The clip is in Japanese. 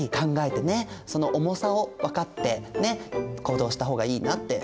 その重さをわかってね行動した方がいいなって